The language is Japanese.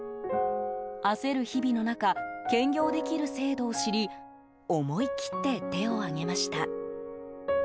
焦る日々の中兼業できる制度を知り思い切って手を挙げました。